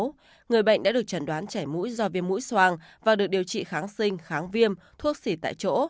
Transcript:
trước đó người bệnh đã được trần đoán chảy mũi do viêm mũi soang và được điều trị kháng sinh kháng viêm thuốc xỉ tại chỗ